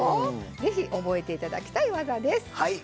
ぜひ覚えて頂きたい技です。